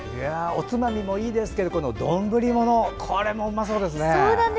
おつまみもいいですが丼ものも、おいしそうですね。